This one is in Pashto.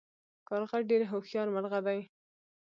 کارغه ډیر هوښیار مرغه دی